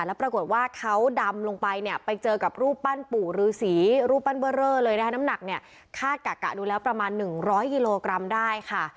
แล้วปรากฏว่าเขาดำลงไปเนี่ยไปเจอกับรูปปั้นปู่ฤษีรูปปั้นเบอร์เรอเลยนะคะน้ำหนักเนี่ยคาดกะดูแล้วประมาณ๑๐๐กิโลกรัมได้ค่ะ